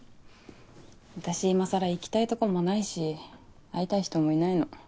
私今さら行きたいとこもないし会いたい人もいないの。